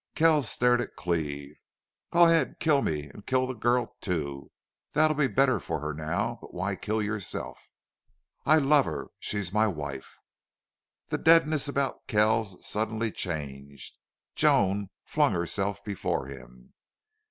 Kells stared at Cleve. "Go ahead. Kill me. And kill the girl, too. That'll be better for her now. But why kill yourself?" "I love her. She's my wife!" The deadness about Kells suddenly changed. Joan flung herself before him.